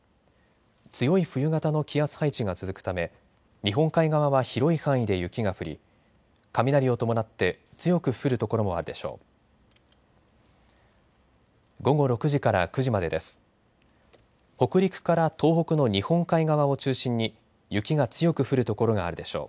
強い冬型の気圧配置が続くため日本海側は広い範囲で雪が降り雷を伴って強く降る所もあるでしょう。